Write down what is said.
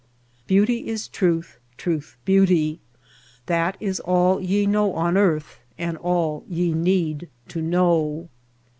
"Beauty is truth, truth beauty — that is all Ye know on earth and all ye need to know."